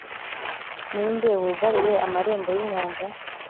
ni nde wugariye amarembo y’inyanja